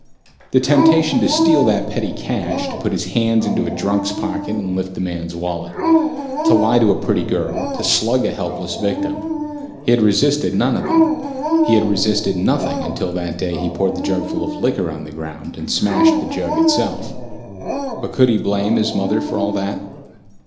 The temptation to steal that petty cash, to put his hands into a drunk's pocket and lift the man's wallet, to lie to a pretty girl, to slug a helpless victim he had resisted none of them. He had resisted nothing until that day he had poured the jugful of liquor on the ground and smashed the jug itself. But could he blame his mother for all that?